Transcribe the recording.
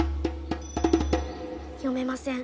読めません。